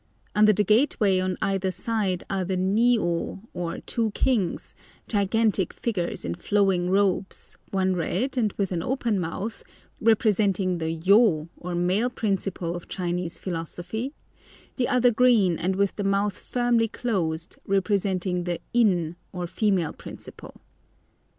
Under the gateway on either side are the Ni ô, or two kings, gigantic figures in flowing robes, one red and with an open mouth, representing the Yo, or male principle of Chinese philosophy, the other green and with the mouth firmly closed, representing the In, or female principle.